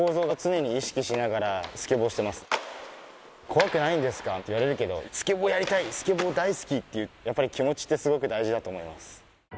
「怖くないんですか？」って言われるけど「スケボーやりたい！」「スケボー大好き！」っていうやっぱり気持ちってすごく大事だと思います。